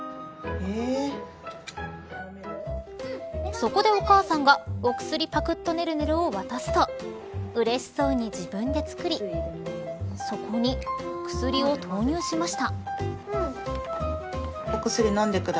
そこで、お母さんがおくすりパクッとねるねるを渡すと嬉しそうに自分で作りそこに薬を投入しました。